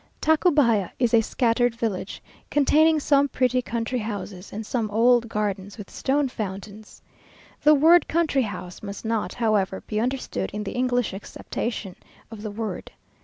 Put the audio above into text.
Tacubaya is a scattered village, containing some pretty country houses, and some old gardens with stone fountains. The word country house must not, however, be understood in the English acceptation of the word.